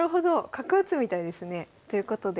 角打つみたいですね。ということで。